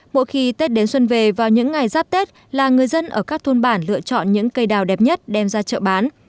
mỗi khi tết đến xuân về vào những ngày giáp tết là người dân ở các thôn bản lựa chọn những cây đào đẹp nhất đem ra chợ bán